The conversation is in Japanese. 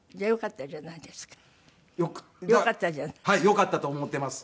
よかったと思っています。